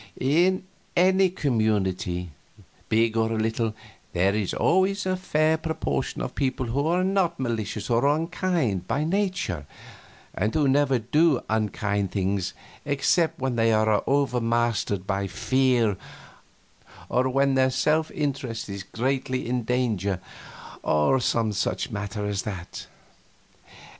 In any community, big or little, there is always a fair proportion of people who are not malicious or unkind by nature, and who never do unkind things except when they are overmastered by fear, or when their self interest is greatly in danger, or some such matter as that.